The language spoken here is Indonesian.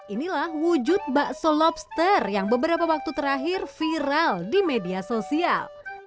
inilah wujud bakso lobster yang beberapa waktu terakhir viral di media sosial